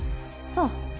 そう。